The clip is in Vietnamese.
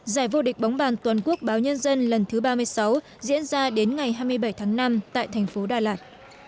giải vô địch bóng bàn toàn quốc báo nhân dân lần thứ ba mươi sáu diễn ra đến ngày hai mươi bảy tháng năm tại thành phố đà lạt